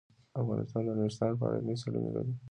افغانستان د نورستان په اړه علمي څېړنې لري.